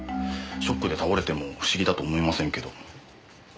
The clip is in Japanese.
ショックで倒れても不思議だと思いませんけど。